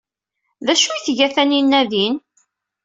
D acu ay tga Taninna din?